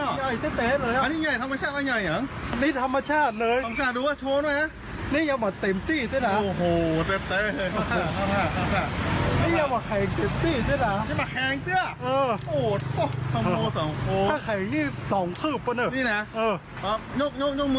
โอเคตรวจสอบได้สบายครับผม